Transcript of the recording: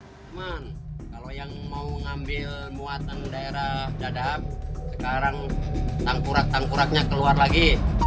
cuman kalau yang mau ngambil muatan daerah dadahap sekarang tangkurak tangkuraknya keluar lagi